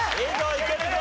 いけるぞ！